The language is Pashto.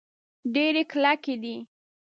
ډبرې کلکې دي.